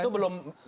dan itu belum